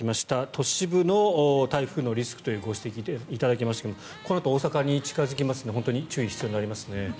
都市部の台風のリスクというのをご指摘いただきましたがこのあと、大阪に近付きますので本当に注意が必要になりますね。